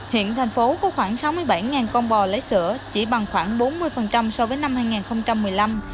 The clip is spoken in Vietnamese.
hiện thành phố có khoảng sáu mươi bảy con bò lấy sữa chỉ bằng khoảng bốn mươi so với năm hai nghìn một mươi năm